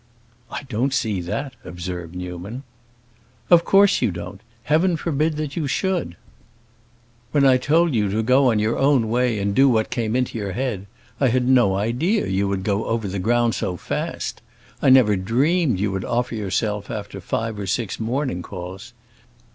"I don't see that," observed Newman. "Of course you don't; Heaven forbid you should! When I told you to go on your own way and do what came into your head, I had no idea you would go over the ground so fast. I never dreamed you would offer yourself after five or six morning calls.